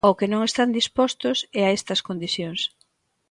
Ao que non están dispostos é a estas condicións.